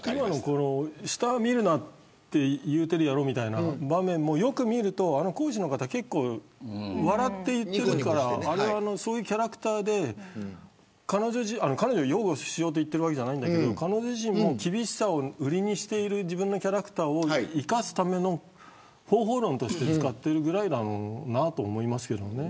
下を見るなと言うてるやろという場面もよく見ると講師の方は笑って言ってるからあれはそういうキャラクターで彼女を擁護しようと言っているわけではないですが彼女自身も厳しさを売りにしている自分のキャラクターを生かすための方法論として使っているぐらいだと思いますけどね。